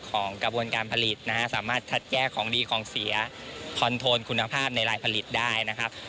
ของกระบวนการผลิตนะฮะสามารถคัดแยกของดีของเสียคอนโทนคุณภาพในลายผลิตได้นะครับ